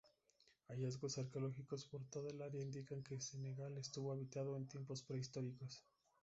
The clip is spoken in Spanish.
Hallazgos arqueológicos por toda el área indican que Senegal estuvo habitado en tiempos prehistóricos.